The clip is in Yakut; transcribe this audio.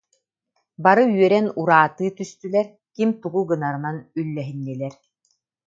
Бары үөрэн ураатыы түстүлэр, ким тугу гынарын үллэһиннилэр